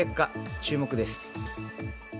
注目です。